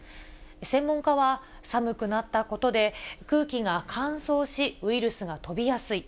専門家は、寒くなったことで空気が乾燥し、ウイルスが飛びやすい。